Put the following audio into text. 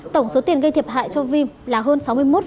tổng số tiền gây thiệp hại cho vin là hơn sáu mươi một hai